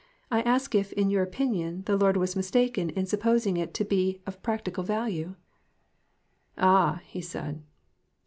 I ask if, in your opinion, the Lord was mistaken in sup posing it to be of practical value?" "Ah!" he said.